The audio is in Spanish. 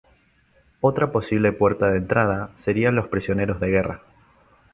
Otra posible puerta de entrada serían los prisioneros de guerra.